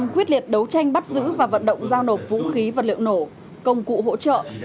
quyết liệt đấu tranh bắt giữ và vận động giao nộp vũ khí vật liệu nổ công cụ hỗ trợ